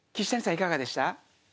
いかがでした？